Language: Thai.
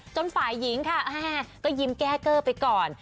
ฝ่ายหญิงค่ะก็ยิ้มแก้เกอร์ไปก่อน